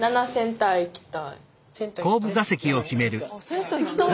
センター行きたい？